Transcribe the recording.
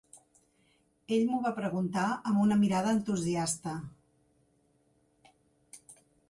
ell m'ho va preguntar amb una mirada entusiasta.